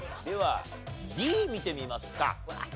ではＤ見てみますか。